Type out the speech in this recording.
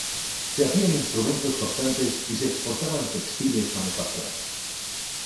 Se hacían instrumentos cortantes y se exportaban textiles manufacturados.